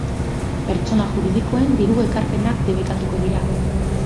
Pertsona juridikoen diru-ekarpenak debekatuko dira.